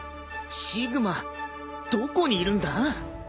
シグマどこにいるんだ？